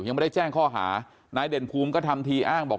ยังไม่ได้แจ้งข้อหานายเด่นภูมิก็ทำทีอ้างบอก